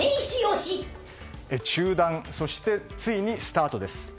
中断そしてついにスタートです。